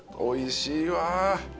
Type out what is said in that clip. おいしいわぁ。